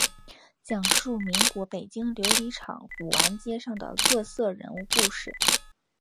讲述民国北京琉璃厂古玩街上的各色人物故事。